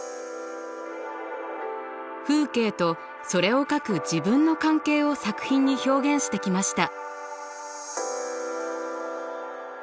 風景とそれを描く自分の関係を作品に表現してきました。